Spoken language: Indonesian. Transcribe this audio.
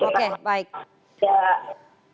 untuk tahapan konseling berikutnya korban